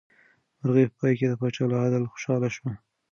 مرغۍ په پای کې د پاچا له عدله خوشحاله شوه.